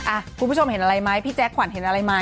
อ่ะกุญแจกฝั่นเห็นอะไรไหม